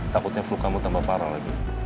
takutnya flu kamu tambah parah lagi